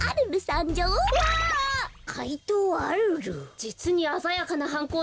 じつにあざやかなはんこうでした。